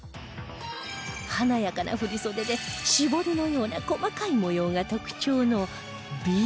華やかな振袖で絞りのような細かい模様が特徴の Ｂ